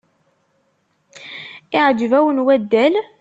Iεǧeb-wen waddal?